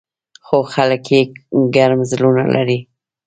خو خلک یې ګرم زړونه لري.